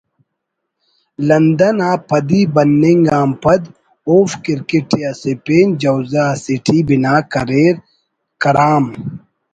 لندن آ پدی بننگ آن پد اوفک کرکٹءِ اسہ پین جوزہ اسیٹی بنا کریر کرام